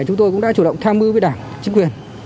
chúng tôi cũng đã chủ động tham mưu với đảng chính quyền